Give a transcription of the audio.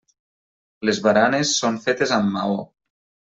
Les baranes són fetes amb maó.